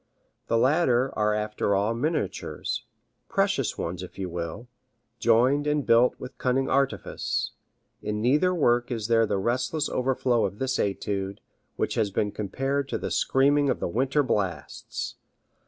The latter are after all miniatures, precious ones if you will, joined and built with cunning artifice; in neither work is there the resistless overflow of this etude, which has been compared to the screaming of the winter blasts.